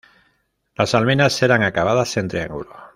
Las almenas eran acabadas en triángulo.